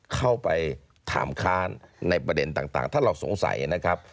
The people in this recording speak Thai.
เข้าไปถามค้านในประเด็นต่างถ้าเราสงสัยนะครับ